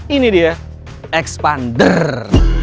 ini dia expander